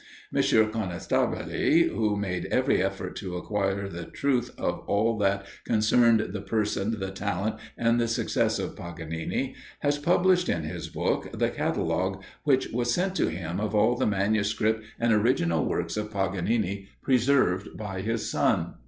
M. Conestabile, who made every effort to acquire the truth of all that concerned the person, the talent, and the success of Paganini, has published in his book the catalogue which was sent to him of all the manuscript and original works of Paganini preserved by his son.